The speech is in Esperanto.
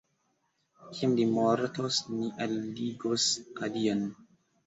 Kiam li mortos, ni alligos alian!